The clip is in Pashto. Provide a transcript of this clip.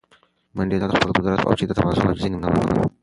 منډېلا د خپل قدرت په اوج کې د تواضع او عاجزۍ نمونه و.